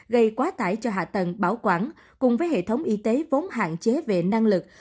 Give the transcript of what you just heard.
gây quá tải cho hạ tầng bảo quản cùng với hệ thống y tế vốn hạn chế về năng lực